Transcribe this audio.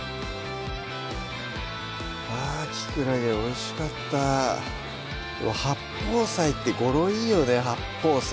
あきくらげおいしかった「八宝菜」って語呂いいよね「八宝菜」